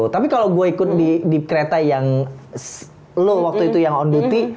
tapi kalau gue ikut di kereta yang lo waktu itu yang on duty